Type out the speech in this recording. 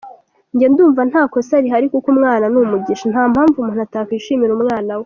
Jye ndumva ntakosa rihari kuko umwana numugisha ntampamvu umuntu atakishaimira umwanawe.